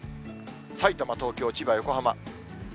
さいたま、東京、千葉、横浜。